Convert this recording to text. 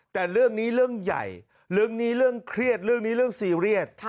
แต่เรื่องนี้เรื่องใหญ่เรื่องนี้เรื่องเครียดเรื่องนี้เรื่องซีเรียส